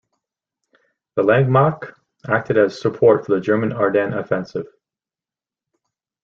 The "Langemarck" acted as support for the German Ardennes offensive.